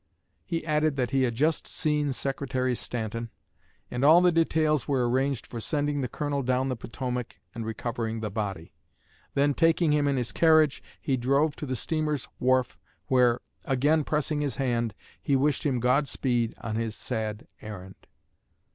He added that he had just seen Secretary Stanton, and all the details were arranged for sending the Colonel down the Potomac and recovering the body; then, taking him in his carriage, he drove to the steamer's wharf, where, again pressing his hand, he wished him God speed on his sad errand.